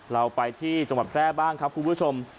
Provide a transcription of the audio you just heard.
เราไปที่จังหวัดแพร่บ้างครับคุณผู้ชม